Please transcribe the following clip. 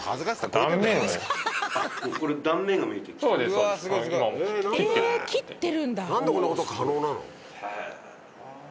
何でこんなこと可能なの⁉